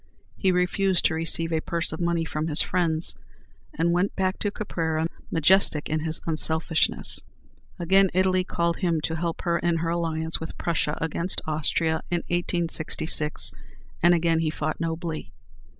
He refused to receive a purse of money from his friends, and went back to Caprera, majestic in his unselfishness. Again Italy called him to help her in her alliance with Prussia against Austria in 1866, and again he fought nobly.